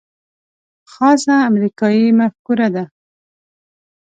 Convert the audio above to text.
خاصه امریکايي مفکوره ده.